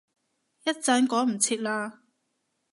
一陣趕唔切喇